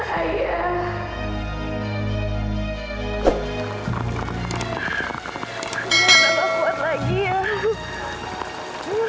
amirah gak kuat lagi ya